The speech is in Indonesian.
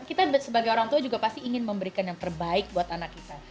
kita sebagai orang tua juga pasti ingin memberikan yang terbaik buat anak kita